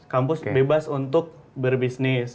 kampus bebas untuk berbisnis